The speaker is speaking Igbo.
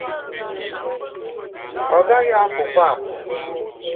ọ gaghị apụkwa àpụ